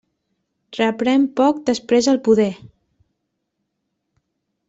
Reprèn poc després el poder.